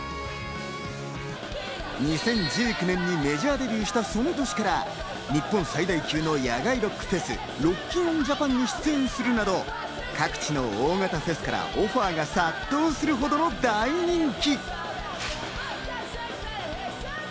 ２０１９年にメジャーデビューしたその年から日本最大級の野外ロックフェスＲＯＣＫＩＮＪＡＰＡＮに出演するなど各地の大型フェスからオファーが殺到するほどの大人気。